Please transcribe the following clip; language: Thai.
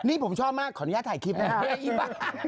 นี่ผมชอบมากขออนุญาตถ่ายคลิปนะครับ